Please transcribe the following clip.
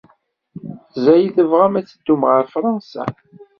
Mazal tebɣam ad teddum ɣer Fṛansa?